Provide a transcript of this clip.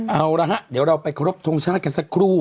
เอาละฮะเดี๋ยวเราไปครบทรงชาติกันสักครู่